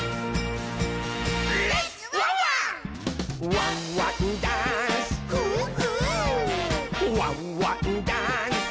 「ワンワンダンス！」